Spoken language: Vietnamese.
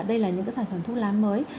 đây là những sản phẩm thuốc lá mới